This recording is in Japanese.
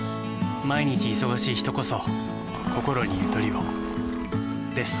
毎日忙しい人こそこころにゆとりをです。